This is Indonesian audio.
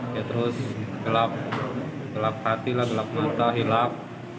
ya terus gelap gelap hati lah gelap mata hilap